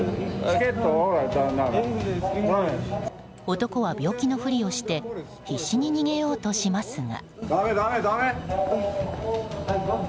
男は、病気のふりをして必死に逃げようとしますが。